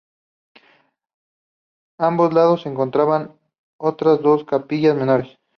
A ambos lados se encontraban otras dos capillas menores.